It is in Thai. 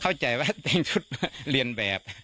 เข้าใจว่าแต่งชุดเรียนแบบ